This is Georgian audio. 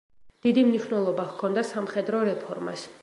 დიდი მნიშვნელობა ჰქონდა სამხედრო რეფორმას.